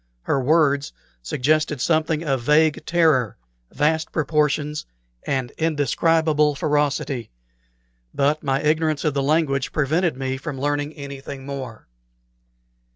Her words suggested something of vague terror, vast proportions, and indescribable ferocity; but my ignorance of the language prevented me from learning anything more.